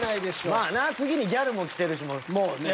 まあな次に「ギャル」も来てるしもうね。